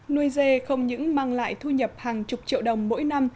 nuôi dê không những mang lại thu nhập hàng chục triệu đồng mỗi năm